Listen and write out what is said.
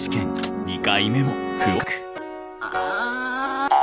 ああ！